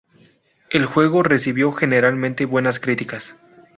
El juego recibió generalmente buenas críticas.